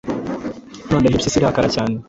noneho impyisi irakara cyane,